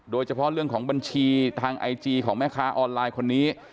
โดยเฉพาะเรื่องของบัญชีทางไอจีของแม่ค้าออนไลน์คนนี้